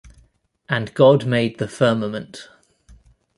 And God made the firmament.